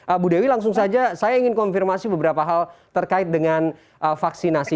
ibu dewi langsung saja saya ingin konfirmasi beberapa hal terkait dengan vaksinasi